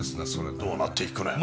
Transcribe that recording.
どうなっていくのやら。